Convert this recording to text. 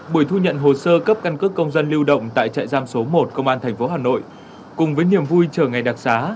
buổi thu nhận hồ sơ cấp căn cước công dân lưu động tại trại giam số một công an tp hà nội cùng với niềm vui chờ ngày đặc xá